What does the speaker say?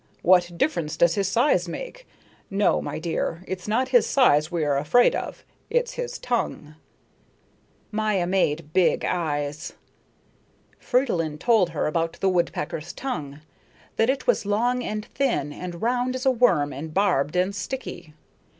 What difference does his size make? No, my dear, it's not his size we are afraid of; it's his tongue." Maya made big eyes. Fridolin told her about the woodpecker's tongue: that it was long and thin, and round as a worm, and barbed and sticky.